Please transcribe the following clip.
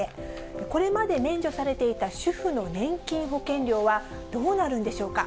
これまで免除されていた主婦の年金保険料はどうなるんでしょうか。